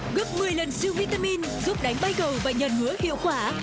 gấp một mươi lần siêu vitamin giúp đánh bay gầu và nhân ngứa hiệu quả